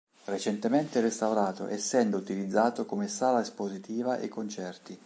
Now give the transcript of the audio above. Recentemente restaurato essendo utilizzato come sala espositiva e concerti.